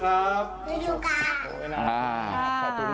หายเร็วนะครับลุงเมฆ